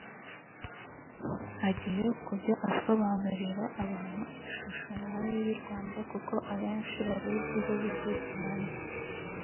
agiye kujya asobanurira abantu ishusho nyayo y’u Rwanda kuko abenshi baruziho bicye cyane